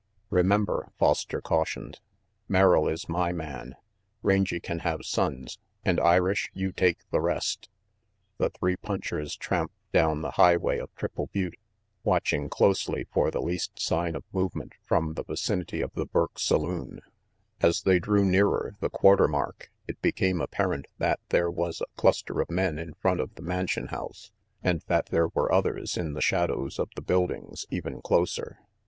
"Remember," Foster cautioned, "Merrill is my man, Rangy can have Sonnes, and Irish, you take the rest." The three punchers tramped down the highway of Triple Butte, watching closely for the least sign of movement from the vicinity of the Burke saloon, As they drew nearer the quarter mark, it became apparent that there was a cluster of men in front of the Mansion House and that there were others in the shadows of the buildings even closer.